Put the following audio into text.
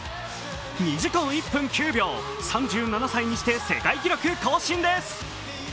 ２時間１分９秒、３７歳にして世界記録更新です。